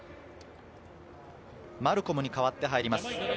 マルコムに代わって入ります。